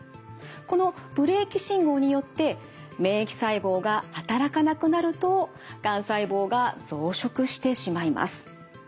このブレーキ信号によって免疫細胞が働かなくなるとがん細胞が増殖してしまいます。